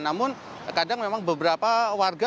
namun kadang memang beberapa warga